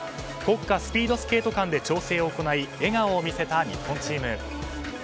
国家スピードスケート館で調整を行い笑顔を見せた日本チーム。